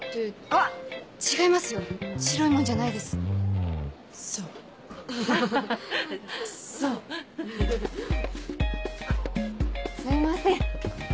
あっすいません！